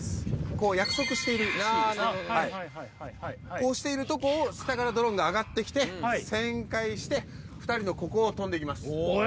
こうしているとこを下からドローンが上がってきて旋回して２人のここを飛んでいきます。